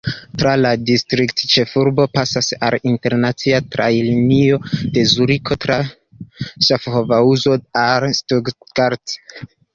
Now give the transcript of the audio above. Tra la distriktĉefurbo pasas la internacia trajnlinio de Zuriko tra Ŝafhaŭzo al Stuttgart.